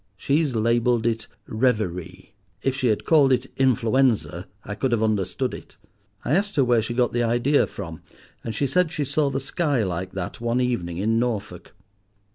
She's labelled it Reverie. If she had called it Influenza I could have understood it. I asked her where she got the idea from, and she said she saw the sky like that one evening in Norfolk.